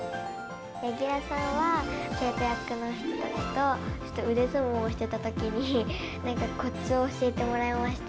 柳楽さんは、生徒役の人たちと腕相撲をしてたときに、なんかコツを教えてもらいました。